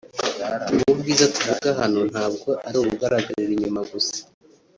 ubu bwiza tuvuga hano ntabwo ari ubugaragarira inyuma gusa